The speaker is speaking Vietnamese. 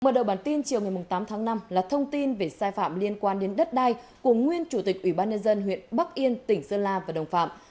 mở đầu bản tin chiều ngày tám tháng năm là thông tin về sai phạm liên quan đến đất đai của nguyên chủ tịch ubnd huyện bắc yên tỉnh sơn la và đồng phạm